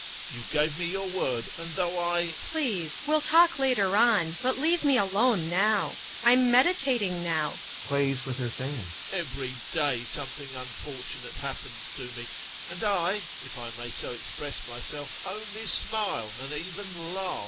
You gave me your word, and though I... DUNYASHA. Please, we'll talk later on, but leave me alone now. I'm meditating now. [Plays with her fan.] EPIKHODOV. Every day something unfortunate happens to me, and I, if I may so express myself, only smile, and even laugh.